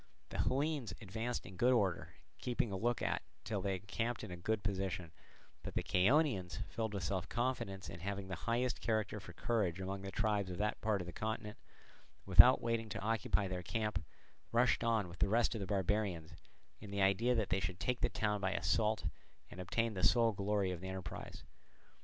The Hellenes advanced in good order, keeping a look out till they encamped in a good position; but the Chaonians, filled with self confidence, and having the highest character for courage among the tribes of that part of the continent, without waiting to occupy their camp, rushed on with the rest of the barbarians, in the idea that they should take the town by assault and obtain the sole glory of the enterprise.